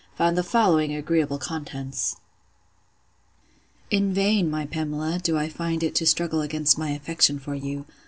found the following agreeable contents:— 'In vain, my Pamela, do I find it to struggle against my affection for you.